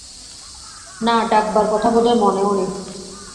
না, ডাকবার কথা বোধ হয় মনেও নেই।